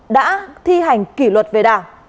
đã thi hành kỷ luật về đảng